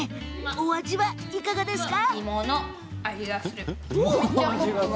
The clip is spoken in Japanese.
お味はいかがですか？